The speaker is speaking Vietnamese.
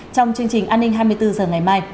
trong chương trình an ninh hai mươi bốn h ngày mai